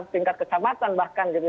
tingkat kecamatan bahkan jadi